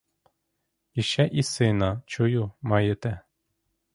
А ще і сина, чую, маєте?